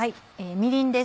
みりんです。